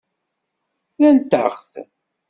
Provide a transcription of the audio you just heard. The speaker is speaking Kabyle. Rrant-aɣ-t.